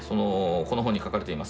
この本に書かれています